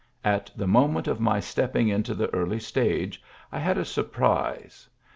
At the moment of my stepping into the early stage I had a surprise.